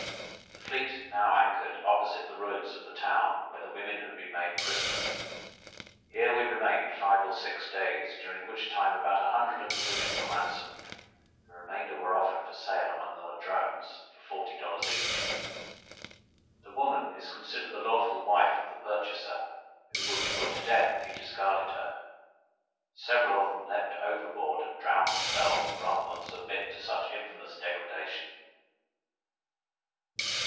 The fleet now anchored opposite the ruins of the town where the women had been made prisoners. Here we remained five or six days, during which time about an hundred of the women were ransomed; the remainder were offered for sale amongst the Ladrones, for forty dollars each. The woman is considered the lawful wife of the purchaser, who would be put to death if he discarded her. Several of them leaped overboard and drowned themselves, rather than submit to such infamous degradation.